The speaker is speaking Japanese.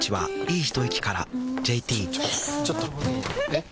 えっ⁉